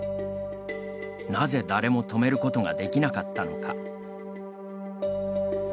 なぜ、誰も止めることができなかったのか。